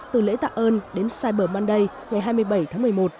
từ lễ tạ ơn đến cyber manday ngày hai mươi bảy tháng một mươi một